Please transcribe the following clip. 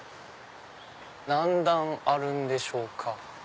何段あるんでしょうか？